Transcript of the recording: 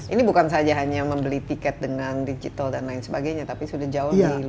ini bukan saja hanya membeli tiket dengan digital dan lain sebagainya tapi sudah jauh di luar